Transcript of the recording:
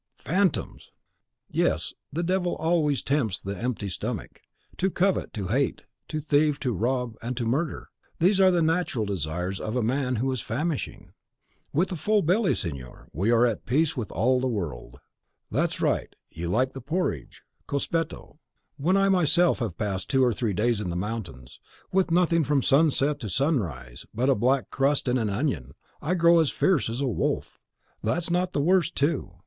"Phantoms!" "Yes; the devil always tempts the empty stomach. To covet, to hate, to thieve, to rob, and to murder, these are the natural desires of a man who is famishing. With a full belly, signor, we are at peace with all the world. That's right; you like the partridge! Cospetto! when I myself have passed two or three days in the mountains, with nothing from sunset to sunrise but a black crust and an onion, I grow as fierce as a wolf. That's not the worst, too.